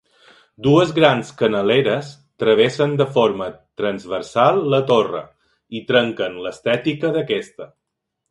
Dues grans canaleres travessen de forma transversal la torre i trenquen l'estètica d'aquesta.